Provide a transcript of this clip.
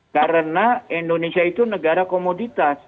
karena indonesia itu negara komoditas